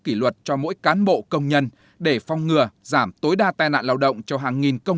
kỷ luật cho mỗi cán bộ công nhân để phong ngừa giảm tối đa tai nạn lao động cho hàng nghìn công